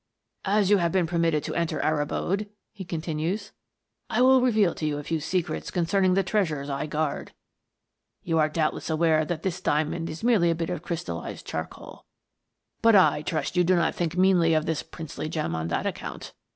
" As yo\i have been permitted to enter our abode," he continues, " I will reveal to you a few secrets concerning the treasures I guard. You are doubt less aware that the diamond is merely a bit of crystallized charcoal ; but I trust you do not think meanly of this princely gem on that account.